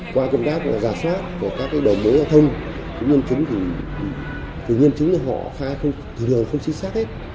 qua công tác giả sát của các đầu mối giao thông nhân chứng thì họ thường không xí xác hết